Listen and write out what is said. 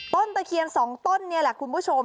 ต้นตะเคียนสองต้นเนี่ยแหละคุณผู้ชม